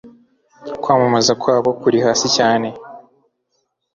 Kwamamaza kwabokuri hasi cyane